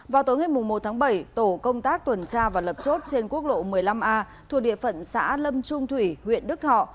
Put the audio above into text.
vào tối ngày một tháng bảy tổ công tác tuần tra và lập chốt trên quốc lộ một mươi năm a thuộc địa phận xã lâm trung thủy huyện đức thọ